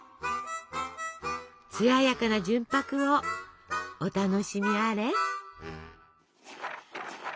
艶やかな純白をお楽しみあれ！